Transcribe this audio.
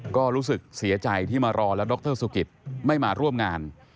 ก็รู้สึกเสียใจที่มารอแล้วดรสุกิตไม่มาร่วมงาน